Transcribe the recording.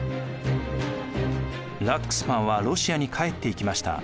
ラックスマンはロシアに帰っていきました。